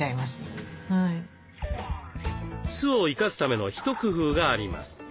酢を生かすための一工夫があります。